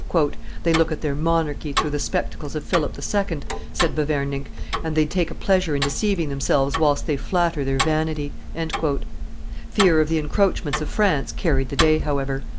"They look at their monarchy through the spectacles of Philip II.," said Beverninck, "and they take a pleasure in deceiving themselves whilst they flatter their vanity." Fear of the encroachments of France carried the day, however.